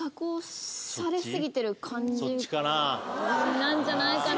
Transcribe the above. なんじゃないかな？